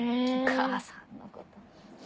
お母さんのこと。